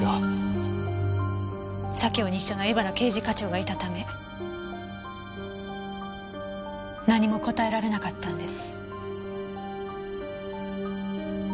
左京西署の江原刑事課長がいたため何も答えられなかったんです。